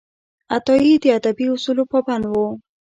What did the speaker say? عطايي د ادبي اصولو پابند و.